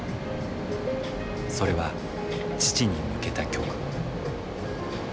それは父に向けた曲。